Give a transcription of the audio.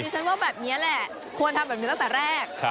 ฉันว่าแบบนี้แหละควรทำแบบนี้ตั้งแต่แรก